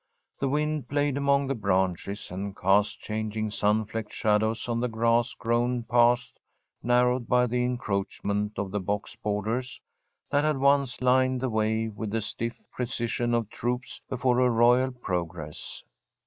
The wind played among the branches, and cast changing sun flecked shadows on the grass grown paths, narrowed by the encroachment of the box borders that had once lined the way with the stiff precision of troops before a royal progress.